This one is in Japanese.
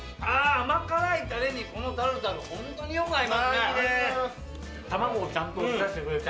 甘辛いタレにこのタルタル本当によく合いますね。